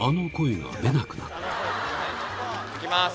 いきます。